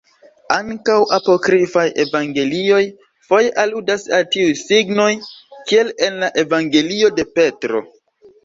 Ankaŭ apokrifaj evangelioj foje aludas al tiuj signoj kiel en la evangelio de Petro.